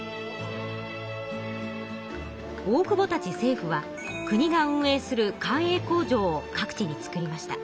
大久保たち政府は国が運営する官営工場を各地に造りました。